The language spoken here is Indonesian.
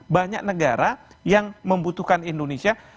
banyak negara yang membutuhkan indonesia